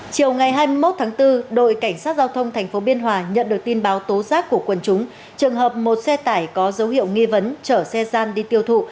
chiều ngày hai mươi một tháng bốn đội cảnh sát giao thông tp biên hòa nhận được tin báo tố giác của quần chúng trường hợp một xe tải có dấu hiệu nghi vấn chở xe gian đi tiêu thụ